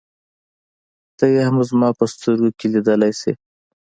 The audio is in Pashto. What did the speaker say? ته يې هم زما په سترګو کې لیدلای شې.